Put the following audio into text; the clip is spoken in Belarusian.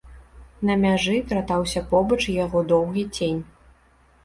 На мяжы кратаўся побач яго доўгі цень.